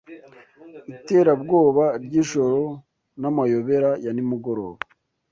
Iterabwoba ryijoro n'amayobera ya nimugoroba